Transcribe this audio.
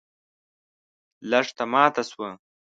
لښته ماته شوه.